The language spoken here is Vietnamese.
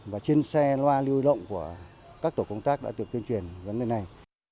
và trên xe loa lưu động của các tổ công tác đã được tuyên truyền đến nơi này